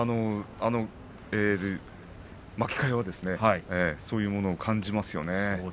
あの巻き替えがそういうものを感じますよね。